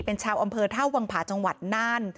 เป็นชาวอำเภอท่าวังผาจังหวัดน่าน